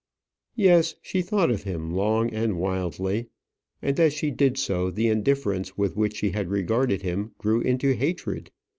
Yes, she thought of him long and wildly. And as she did so, the indifference with which she had regarded him grew into hatred.